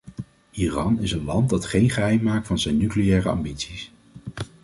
Iran is een land dat geen geheim maakt van zijn nucleaire ambities.